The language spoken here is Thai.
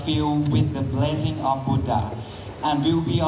ถือว่าชีวิตที่ผ่านมายังมีความเสียหายแก่ตนและผู้อื่น